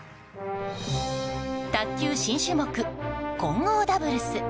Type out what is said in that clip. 卓球新種目、混合ダブルス。